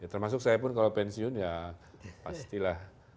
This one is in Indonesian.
termasuk saya pun kalau pensiun ya pastilah